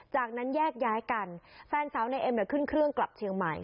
จากนั้นแยกย้ายกันแฟนสาวในเอ็มเนี่ยขึ้นเครื่องกลับเชียงใหม่